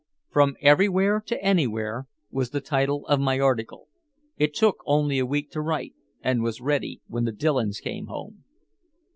"From Everywhere to Anywhere" was the title of my article. It took only a week to write, and was ready when the Dillons came home.